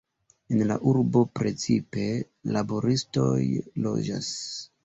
En la urbo precipe laboristoj loĝas.